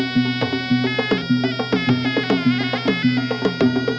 สวัสดีครับ